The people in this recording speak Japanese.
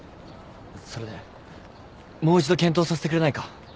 それでもう一度検討させてくれないか？